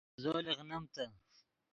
زو لیغنیم تے